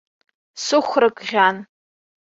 Сыхәрак ӷьан.